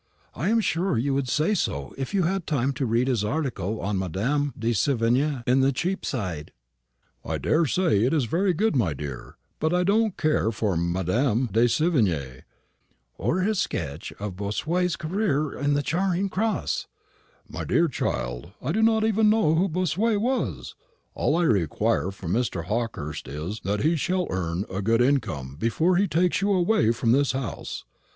I am sure you would say so if you had time to read his article on Madame de Sévigné in the Cheapside." "I daresay it's very good, my dear; but I don't care for Madame de Sévigné " "Or his sketch of Bossuet's career in the Charing Cross." "My dear child, I do not even know who Bossuet was. All I require from Mr. Hawkehurst is, that he shall earn a good income before he takes you away from this house.